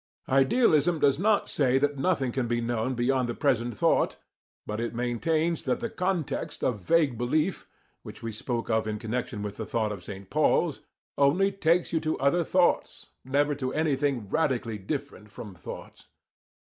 Idealism does not say that nothing can be known beyond the present thought, but it maintains that the context of vague belief, which we spoke of in connection with the thought of St. Paul's, only takes you to other thoughts, never to anything radically different from thoughts.